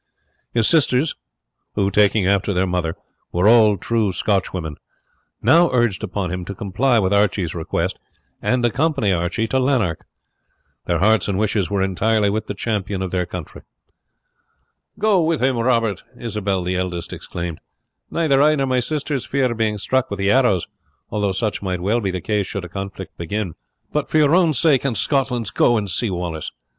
His sisters, who, taking after their mother, were all true Scotchwomen, now urged upon him to comply with Archie's request and accompany him to Lanark. Their hearts and wishes were entirely with the champion of their country. "Go with him, Robert," Isabel, the eldest, exclaimed. "Neither I nor my sisters fear being struck with the arrows, although such might well be the case should a conflict begin; but, for your own sake and Scotland's, go and see Wallace.